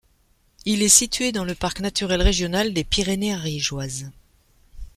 Il est situé dans le parc naturel régional des Pyrénées ariégeoises.